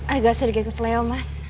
agak sering keselewa mas